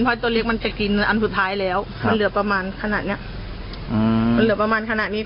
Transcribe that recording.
เพราะไอตัวเล็กมันจะกินอันสุดท้ายแล้วมันเหลือประมาณขนาดเนี้ย